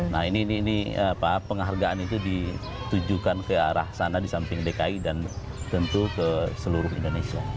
nah ini penghargaan itu ditujukan ke arah sana di samping dki dan tentu ke seluruh indonesia